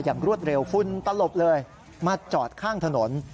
รวดเร็วฝุ่นตลบเลยมาจอดข้างถนน